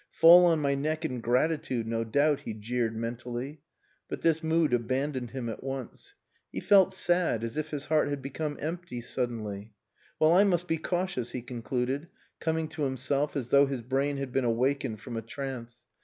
"Fall on my neck in gratitude, no doubt," he jeered mentally. But this mood abandoned him at once. He felt sad, as if his heart had become empty suddenly. "Well, I must be cautious," he concluded, coming to himself as though his brain had been awakened from a trance.